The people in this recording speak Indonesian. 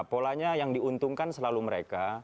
polanya yang diuntungkan selalu mereka